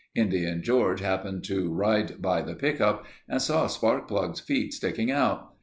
Indian George happened to ride by the pickup and saw Sparkplug's feet sticking out.